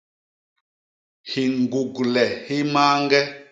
Hiñgugle hi mañge.